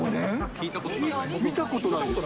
聞いたことないです。